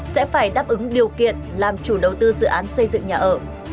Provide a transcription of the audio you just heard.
sẽ phải đáp ứng điều kiện làm chủ đầu tư dự án xây dựng nhà ở